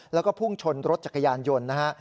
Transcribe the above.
แล้วก็พุ่งชนรถจักรยานยนต์นะฮะ